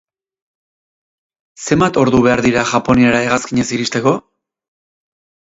Zenbat ordu behar dira Japoniara hegazkinez iristeko?